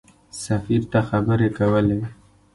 سفیر ته خبرې کولې.